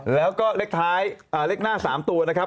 แล้วก็เลขท้ายเลขหน้า๓ตัวนะครับ